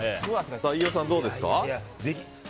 飯尾さん、どうですか？